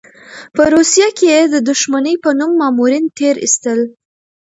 په روسيې کې یې د دښمنۍ په نوم مامورین تېر ایستل.